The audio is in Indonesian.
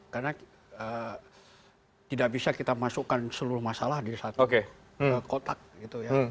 karena tidak bisa kita masukkan seluruh masalah di satu kotak gitu ya